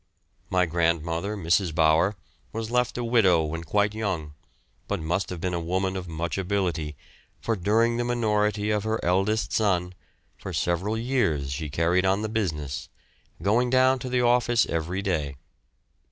My grandmother, Mrs. Bower, was left a widow when quite young, but must have been a woman of much ability, for during the minority of her eldest son, for several years she carried on the business, going down to the office every day.